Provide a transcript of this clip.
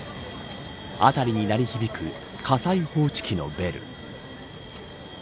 辺りに鳴り響く火災報知器のベル。